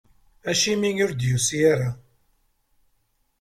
Acimi ur d-yusi ara?